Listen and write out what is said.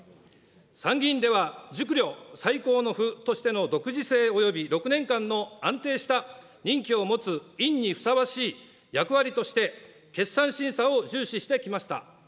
参議院では、熟慮・再考の府としての独自性および、６年間の安定した任期を持つ院にふさわしい役割として、決算審査を重視してきました。